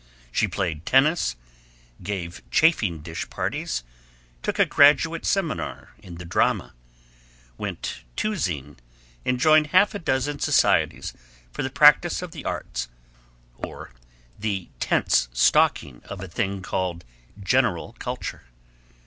She played tennis, gave chafing dish parties, took a graduate seminar in the drama, went "twosing," and joined half a dozen societies for the practise of the arts or the tense stalking of a thing called General Culture.